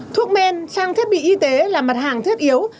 thuốc men trang thiết bị y tế là mặt hàng thiết yếu